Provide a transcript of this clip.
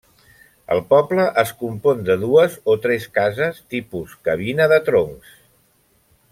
El poble es compon de dues o tres cases tipus cabina de troncs.